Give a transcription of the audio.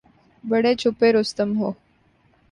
بڑے چھپے رستم ہو